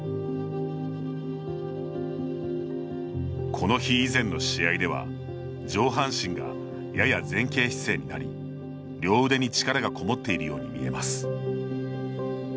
この日以前の試合では上半身がやや前傾姿勢になり両腕に力がこもっているように見えます。